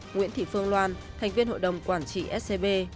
nguyễn thị phương loan thành viên hội đồng quản trị scb